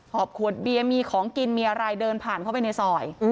อบขวดเบียร์มีของกินมีอะไรเดินผ่านเข้าไปในซอย